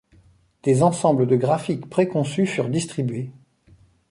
Des ensembles de graphiques pré-conçus furent distribués.